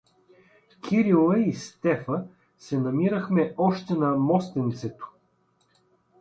Кирила и Стефа се намирахме още на мостенцето.